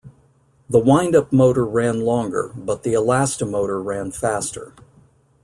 The wind-up motor ran longer, but the elasti-motor ran faster.